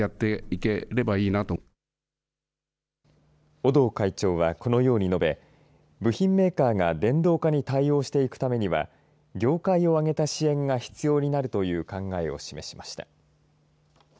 尾堂会長は、このように述べ部品メーカーが電動化に対応していくためには業界を挙げた支援が必要になるという考えを示しました。